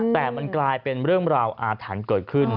แต่มันกลายเป็นเรื่องราวอาถรรพ์เกิดขึ้น